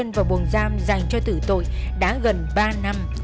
chân vào buồng giam dành cho tử tội đã gần ba năm